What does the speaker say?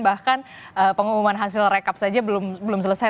bahkan pengumuman hasil rekap saja belum selesai